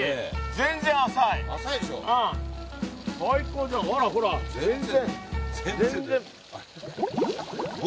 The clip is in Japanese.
最高じゃんほら全然。